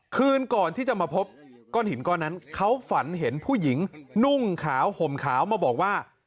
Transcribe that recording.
คืนก่อนที่จะมาพบก้อนหินก้อนนั้นเขาฝันเห็นผู้หญิงนุ่งขาวห่มขาวมาบอกว่า